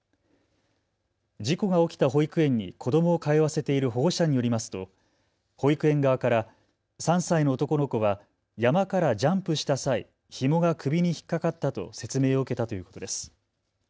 事故が起きた保育園に子どもを通わせている保護者によりますと保育園側から３歳の男の子は山からジャンプした際、ひもが首に引っ掛かったと説明を受けたということです。